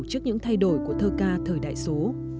trước những thay đổi của thơ ca thời đại số